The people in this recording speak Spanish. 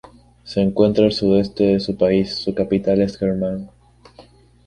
Se encuentra al sudeste del país, su capital es Kermán.